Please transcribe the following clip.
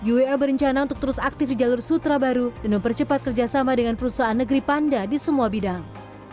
ua berencana untuk terus aktif di jalur sutra baru dan mempercepat kerjasama dengan perusahaan negeri panda di semua bidang